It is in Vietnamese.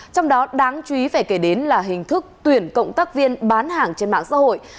trong đó đáng chú ý phải kể đến là hình thức tuyển cộng tác viên bán hàng trên mạng xã hội